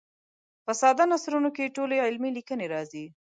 په ساده نثرونو کې ټولې علمي لیکنې راځي.